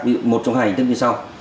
ví dụ một trong hai hình thức như sau